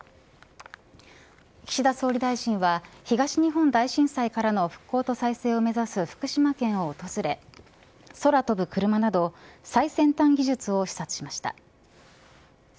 岸田総理大臣は東日本大震災からの復興と再生を目指す福島県を訪れ空飛ぶクルマなど最先端技術を視察しました。